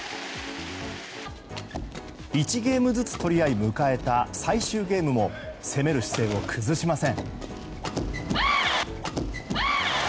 １ゲームずつ取り合い迎えた最終ゲームも攻める姿勢を崩しません。